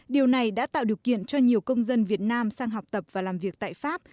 điều này đã tạo điều kiện cho nhiều công dân việt nam sang học tập và làm việc tại pháp